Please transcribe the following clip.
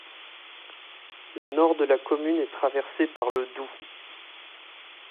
Le nord de la commune est traversé par le Doubs.